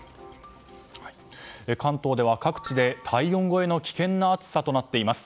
関東では各地で体温超えの危険な暑さとなっています。